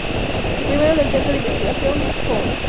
El primero es el Centro de Investigación Woods Hole.